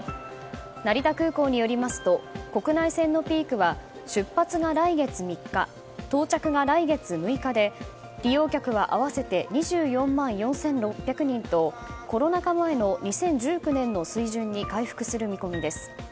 成田空港によりますと国内線のピークは出発が来月３日到着が来月６日で利用客は合わせて２４万４６００人とコロナ禍前の２０１９年の水準に回復する見込みです。